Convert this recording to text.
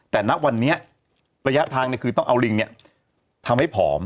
แต่ณวันนี้ระยะทางคือต้องเอาลิงทำให้ผอม